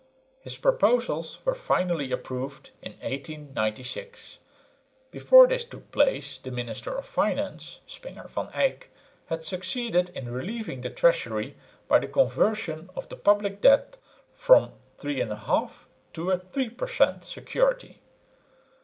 His proposals were finally approved in 1896. Before this took place the minister of finance, Spenger van Eyk, had succeeded in relieving the treasury by the conversion of the public debt from a 3 1/2 to a 3 per cent, security.